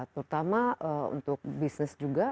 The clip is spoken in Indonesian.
terutama untuk bisnis juga